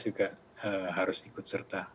juga harus ikut serta